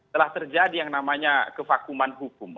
telah terjadi yang namanya kevakuman hukum